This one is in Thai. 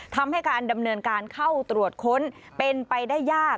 ทำให้การดำเนินการเข้าตรวจค้นเป็นไปได้ยาก